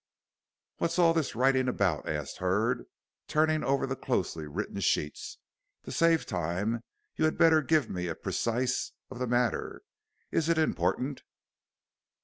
"What's all this writing about?" asked Hurd, turning over the closely written sheets. "To save time you had better give me a précis of the matter. Is it important?"